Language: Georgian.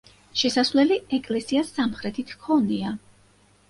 შესასვლელი ეკლესიას სამხრეთით ჰქონია.